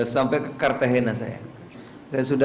sampai ke cartagena saya